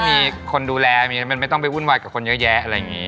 มีคนดูแลไม่ต้องไปวุ่นวายกับคนเยอะแยะ